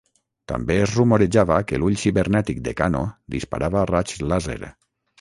També es rumorejava que l'ull cibernètic de Kano disparava raigs làser.